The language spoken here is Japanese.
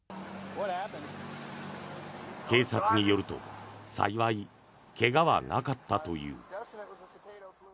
警察によると幸い、怪我はなかったという。